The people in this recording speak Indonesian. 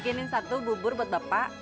bikinin satu bubur buat bapak